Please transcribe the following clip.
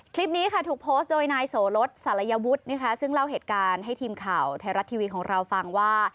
คลิปนี้ค่ะถูกโพสต์โดยนายโสลดสารยวุฒินะคะซึ่งเล่าเหตุการณ์ให้ทีมข่าวไทยรัฐทีวีของเราฟังว่า